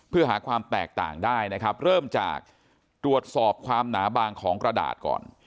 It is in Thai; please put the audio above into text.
เพื่อหาความแตกต่างได้นะครับเริ่มจากตรวจสอบความหนาบางของกระดาษก่อน